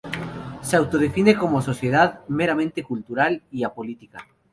Se autodefine como Sociedad meramente cultural y apolítica.